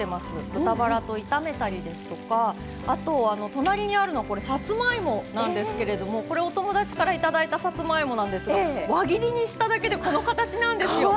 豚バラと炒めたりですとかあと隣にあるのこれさつまいもなんですけれどもこれお友達からいただいたさつまいもなんですが輪切りにしただけでこの形なんですよ。